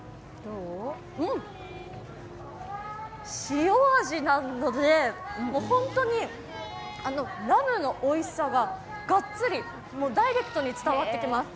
塩味なので、ホントにラムのおいしさがガッツリ、ダイレクトに伝わってきます。